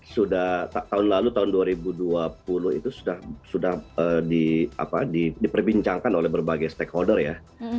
sudah tahun lalu tahun dua ribu dua puluh itu sudah diperbincangkan oleh berbagai stakeholder ya